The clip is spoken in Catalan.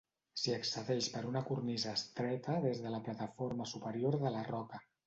S'hi accedeix per una cornisa estreta des de la plataforma superior de la roca.